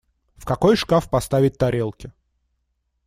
В какой шкаф поставить тарелки?